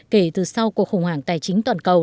kể từ sau cuộc khủng hoảng tài chính toàn cầu